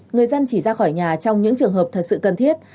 người dân chỉ ra khỏi nhà trong những trường hợp thật sự cần thiết